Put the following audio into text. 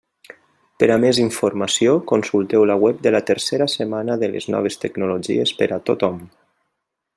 Per a més informació, consulteu la web de la tercera setmana de les noves tecnologies per a tothom.